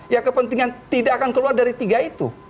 ya kepentingan tidak akan keluar dari tiga itu